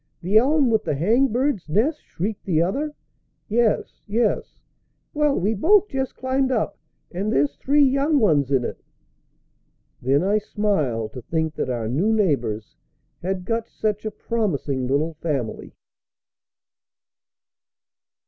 "The elm with the hang bird's nest?" shrieked the other. "Yes, yes!" "Well, we both just climbed up, and there's three young ones in it!" Then I smiled to think that our new neighbors had got such a promising little family.